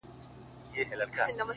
د ناروا زوی نه یم’